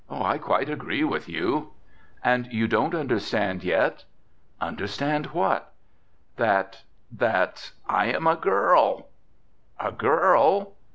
"I quite agree with you." "And you don't understand yet?" "Understand what?" "That—that I am a girl." "A girl!"